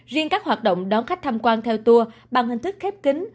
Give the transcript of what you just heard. riêng các hoạt động đón khách tham quan theo tour bằng hình thức khép kính